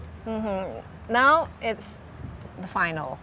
sekarang ini adalah final